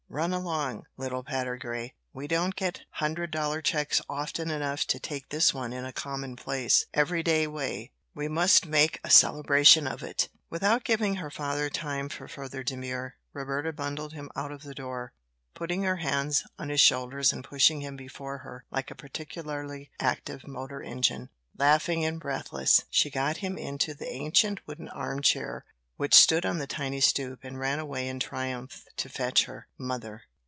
Run along, little Patergrey; we don't get hundred dollar checks often enough to take this one in a commonplace, every day way we must make a celebration of it." Without giving her father time for further demur, Roberta bundled him out of the door, putting her hands on his shoulders and pushing him before her like a particularly active motor engine. Laughing and breathless, she got him into the ancient wooden arm chair which stood on the tiny stoop, and ran away in triumph to fetch her mother.